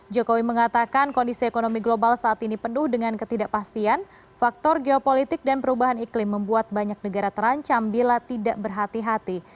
jokowi mengatakan kondisi ekonomi global saat ini penuh dengan ketidakpastian faktor geopolitik dan perubahan iklim membuat banyak negara terancam bila tidak berhati hati